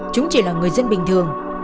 chúng chỉ là người dân bình thường